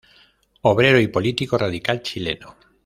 Obrero y político radical chileno.